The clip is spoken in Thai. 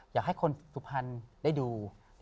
อยากให้คนฑุืพันธ์ได้ดู